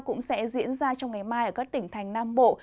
cũng sẽ diễn ra trong ngày mai ở các tỉnh thành nam bộ